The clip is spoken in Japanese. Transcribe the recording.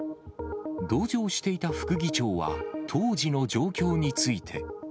同乗していた副議長は、当時の状況について。